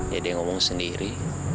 ya dia ngomong sendiri